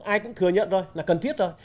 ai cũng thừa nhận rồi là cần thiết rồi